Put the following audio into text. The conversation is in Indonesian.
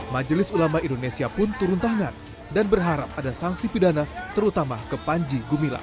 majelis ulama indonesia pun turun tangan dan berharap ada sanksi pidana terutama ke panji gumilang